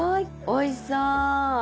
おいしそう。